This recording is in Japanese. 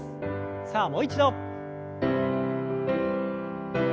さあもう一度。